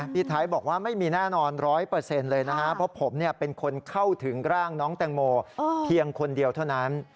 พี่ไทยบอกว่าไม่มีแน่นอนร้อยเปอร์เซ็นต์เลยนะฮะเพราะผมเนี่ยเป็นคนเข้าถึงร่างน้องแตงโมเพียงคนเดียวเท่านั้น